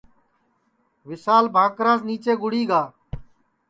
وشال بھاکراس نیچے گُڑی گا